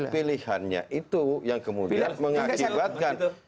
pilihannya itu yang kemudian mengakibatkan